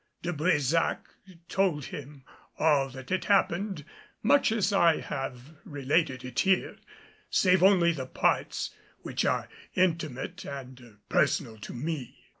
De Brésac told all that had happened much as I have related it here, save only the parts which are intimate and personal to me.